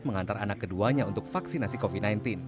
mengantar anak keduanya untuk vaksinasi covid sembilan belas